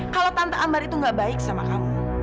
kalau tante ambar itu gak baik sama kamu